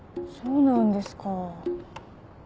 そうなんですか。